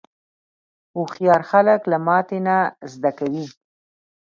هوښیار خلک له ماتې نه زده کوي.